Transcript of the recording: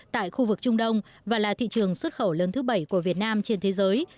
tại khu vực trung đông và là thị trường xuất khẩu lớn thứ bảy của việt nam trên thế giới